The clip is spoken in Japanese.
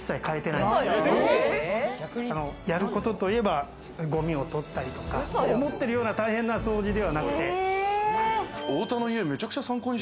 やることといえば、ゴミを取ったりとか、思ってるような大変な掃除ではなくて。